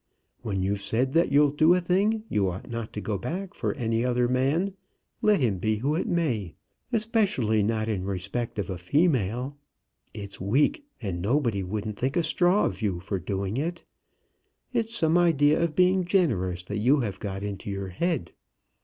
When you've said that you'll do a thing, you ought not to go back for any other man, let him be who it may, especially not in respect of a female. It's weak, and nobody wouldn't think a straw of you for doing it. It's some idea of being generous that you have got into your head.